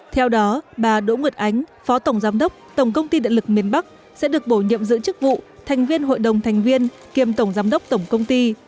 theo đó bà đỗ nguyệt ánh phó tổng giám đốc tổng công ty điện lực miền bắc sẽ được bổ nhiệm giữ chức vụ thành viên hội đồng thành viên kiêm tổng giám đốc tổng công ty